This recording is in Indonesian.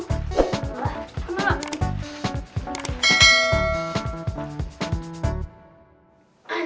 aduh kemana lu